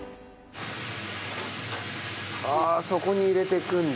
ああそこに入れていくんだ。